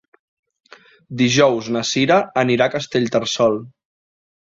Dijous na Sira anirà a Castellterçol.